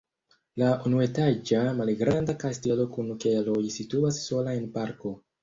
La unuetaĝa malgranda kastelo kun keloj situas sola en parko.